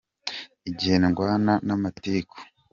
Igihe ndwana n’amatiku